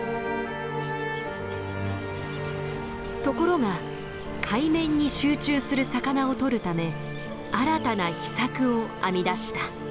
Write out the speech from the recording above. ところが海面に集中する魚をとるため新たな秘策を編み出した。